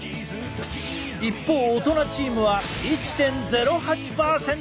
一方大人チームは１．０８％。